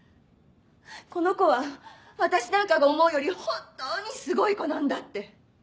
この子は私なんかが思うより本当にすごい子なんだって。